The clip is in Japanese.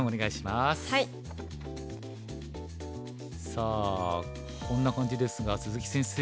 さあこんな感じですが鈴木先生